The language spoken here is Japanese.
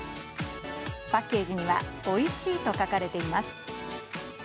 パッケージには、オイシイと書かれています。